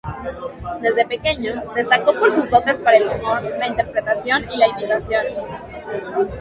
Desde pequeño destacó por sus dotes para el humor, la interpretación y la imitación.